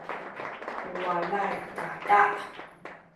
u walay dada’